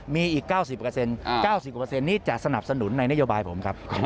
มีอีก๙๐๙๐กว่านี้จะสนับสนุนในนโยบายผมครับ